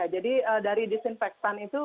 jadi dari disinfektan itu